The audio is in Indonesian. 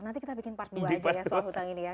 nanti kita bikin part dua aja ya soal hutang ini ya